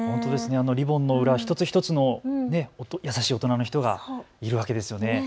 リボンの裏一つ一つ、優しい大人の人がいるわけですね。